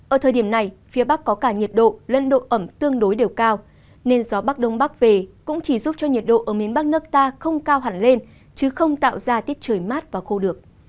ở thời điểm này phía bắc có cả nhiệt độ lên độ ẩm tương đối đều cao nên gió bắc đông bắc về cũng chỉ giúp cho nhiệt độ ở miền bắc nước ta không cao hẳn lên chứ không tạo ra tiết trời mát và khô được